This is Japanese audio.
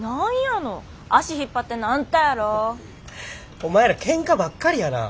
お前らケンカばっかりやな。